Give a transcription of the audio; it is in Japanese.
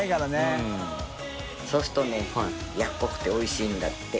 そうするとねやわらかくておいしいんだって。